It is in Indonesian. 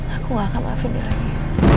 aku gak akan maafin diri aku